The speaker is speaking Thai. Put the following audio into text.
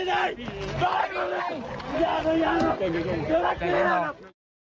ตายมาแรงอย่างนั้นอย่างนั้นอย่างเมื่อกี้แหละครับ